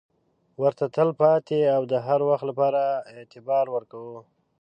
ورته تل پاتې او د هروخت لپاره اعتبار ورکوو.